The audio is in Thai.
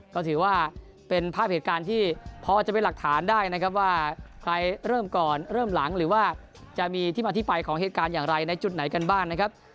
ก็ถือว่าเป็นภาพเหตุการณ์ที่พอจะเป็นหลักฐานได้นะครับว่าใครเริ่มก่อนเริ่มหลังหรือว่าจะมีที่มาที่ไปของเหตุการณ์อย่างไรในจุดไหนกันบ้างนะครับ